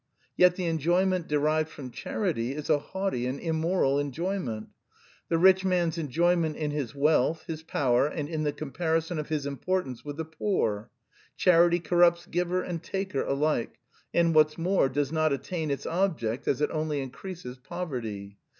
Yet the enjoyment derived from charity is a haughty and immoral enjoyment. The rich man's enjoyment in his wealth, his power, and in the comparison of his importance with the poor. Charity corrupts giver and taker alike; and, what's more, does not attain its object, as it only increases poverty.